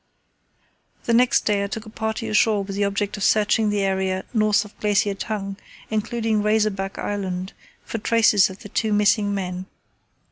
The next day I took a party ashore with the object of searching the area north of Glacier Tongue, including Razorback Island, for traces of the two missing men.